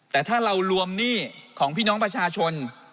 แต่ถ้าเรารวมหนี้ของพี่น้องประชาชน